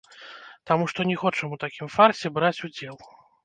Таму што не хочам у такім фарсе браць удзел.